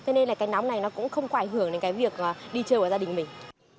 thế nên là cành nóng này nó cũng không quả hưởng đến cái việc đi chơi của gia đình mình